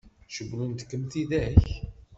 Cewwlent-kem tidak?